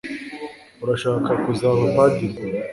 urashaka kuzaba padiri